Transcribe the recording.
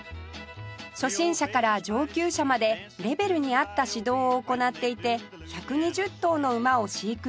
初心者から上級者までレベルに合った指導を行っていて１２０頭の馬を飼育しています